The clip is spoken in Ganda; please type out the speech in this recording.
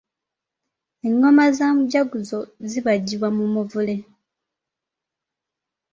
Engoma za mujaguzo zibajjibwa mu muvule.